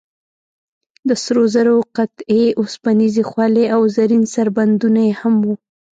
د سرو زرو قطعې، اوسپنیزې خولۍ او زرین سربندونه هم و.